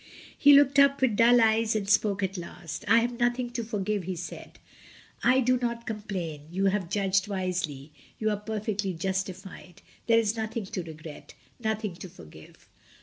He looked up with dull eyes and spoke at last. "I have nothing to forgive," he said; "I do not 140 MRS. DYMOND. complain; you have judged wisely; you are per fectly justified. There is nothing to regret, nothing to forgive."